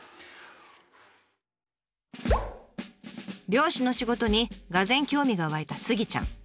漁師の仕事にがぜん興味が湧いたスギちゃん。